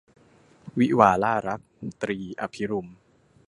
วิวาห์ล่ารัก - ตรี อภิรุม